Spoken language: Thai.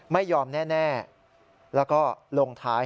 ไม่ยอมแน่แล้วก็ลงท้าย